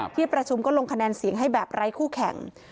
ที่ประชุมก็ลงคะแนนเสียงให้แบบไร้คู่แข่ง